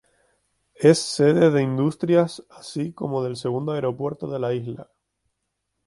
Es sede de industrias, así como del segundo aeropuerto de la isla.